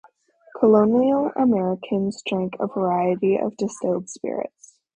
Colonial Americans drank a variety of distilled spirits.